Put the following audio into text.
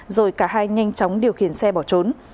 rồi cả hai nhanh chóng điều khiển xe bỏ trốn